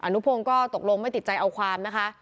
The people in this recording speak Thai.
นุพงศ์ก็ตกลงไม่ติดใจเอาความนะคะ